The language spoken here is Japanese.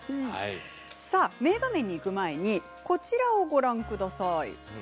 さあ名場面にいく前にこちらをご覧ください。